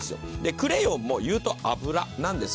クレヨンも言うと油なんです。